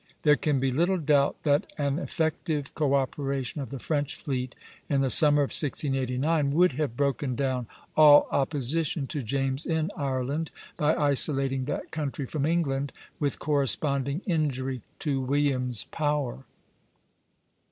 There can be little doubt that an effective co operation of the French fleet in the summer of 1689 would have broken down all opposition to James in Ireland, by isolating that country from England, with corresponding injury to William's power.